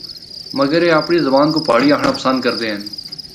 مگر اے اپنڑی زبان کو پہاڑی آکھنڑا پسند کردے ہن۔